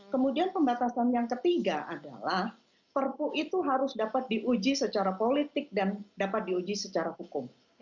kemudian pembatasan yang ketiga adalah perpu itu harus dapat diuji secara politik dan dapat diuji secara hukum